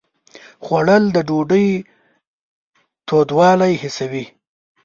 خوړل د ډوډۍ تودوالی حسوي